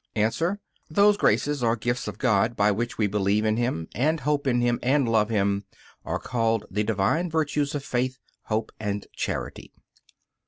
A. Those graces or gifts of God by which we believe in Him, and hope in Him, and love Him, are called the Divine virtues of Faith, Hope, and Charity.